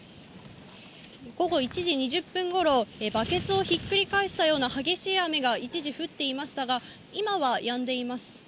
午後１時２０分ごろ、バケツをひっくり返したような激しい雨が一時降っていましたが、今はやんでいます。